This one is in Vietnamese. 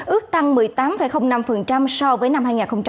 ước tăng một mươi tám năm so với năm hai nghìn một mươi tám